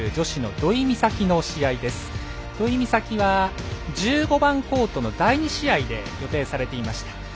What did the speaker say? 土居美咲は、１５番コートの第２試合で予定されていました。